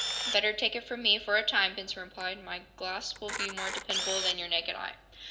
"Better take it from me for a time," Benson replied. "My glass will be more dependable than your naked eye."